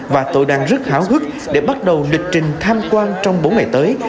và tôi đang rất háo hức để bắt đầu lịch trình tham quan trong bốn ngày tới